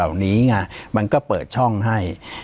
ปากกับภาคภูมิ